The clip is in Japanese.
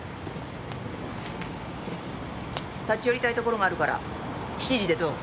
立ち寄りたい所があるから７時でどう？